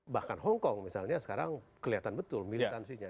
bahkan hongkong misalnya sekarang kelihatan betul militansinya